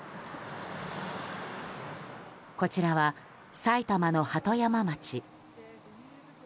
こちらは、埼玉の鳩山町。